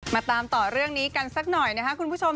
มาตามต่อเรื่องนี้กันสักหน่อยนะครับคุณผู้ชม